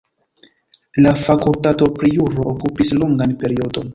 La fakultato pri juro okupis longan periodon.